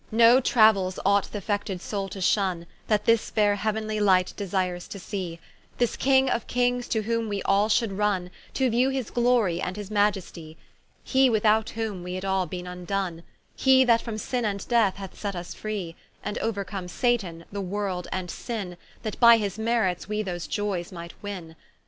No trauels ought th'affected soule to shunne, That this faire heauenly Light desires to see: This King of kings to whom we all should runne, To view his Glory and his Majestie; He without whom we had all beene vndone, He that from Sinne and Death hath set vs free, And ouercome Satan, the world, and sinne, That by his merits we those joyes might winne.